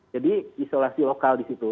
jadi isolasi lokal di situ